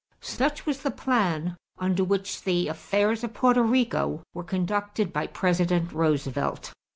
Such was the plan under which the affairs of Porto Rico were conducted by President Roosevelt.